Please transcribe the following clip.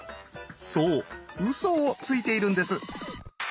そうウソをついているんです。